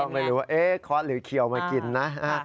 ก็ไม่รู้ว่าเอ๊ะค้อนหรือเขียวมากินนะฮะ